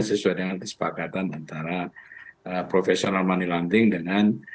sesuai dengan kesepakatan antara profesional money laundering dengan